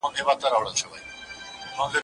خاوند د ميرمني حقوق نه دي پايمال کړي.